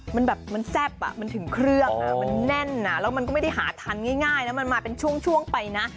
มันแบบมันแซ่บอ่ะมันถึงเครื่องมันแน่นแล้วมันก็ไม่ได้หาทานง่ายนะมันมาเป็นช่วงไปนะ